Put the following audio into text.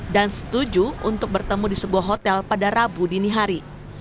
dan setuju untuk bertemu di sebuah hotel pada rabu dini hari